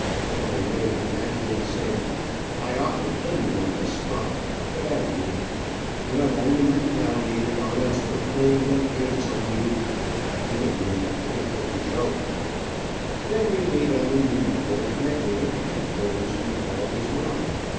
On the way the adjutant said, "I ought to kill you on the spot. But I wont. You have only retaliated on us for playing them pants on you. I hate a man that can't take a joke." Then we made out a new report, and I took it to headquarters, and all was well.